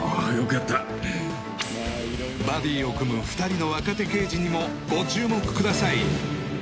あよくやったバディを組む２人の若手刑事にもご注目ください